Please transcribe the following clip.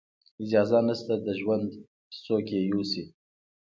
اجازت نشته د ژوند چې څوک یې یوسي